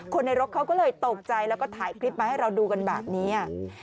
ในรถเขาก็เลยตกใจแล้วก็ถ่ายคลิปมาให้เราดูกันแบบนี้